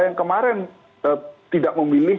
yang kemarin tidak memilih